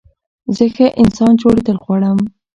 زه ښه انسان جوړېدل غواړم.